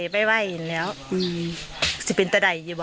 ไม่วิ่งเห็นเหิงคนร้าย